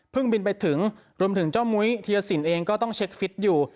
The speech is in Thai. บินไปถึงรวมถึงเจ้ามุ้ยธีรสินเองก็ต้องเช็คฟิตอยู่